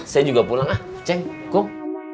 saya juga pulang ah ceng kok